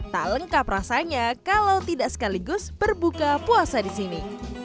tak lengkap rasanya kalau tidak sekaligus berbuka puasa di sini